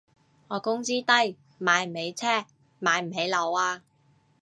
我工資低，買唔起車買唔起樓啊